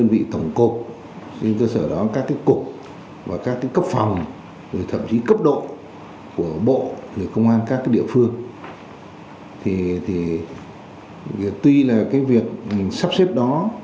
việc mình sắp xếp đó